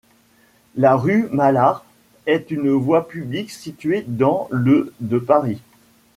La rue Malar est une voie publique située dans le de Paris.